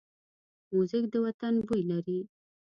موزیک د وطن بوی لري.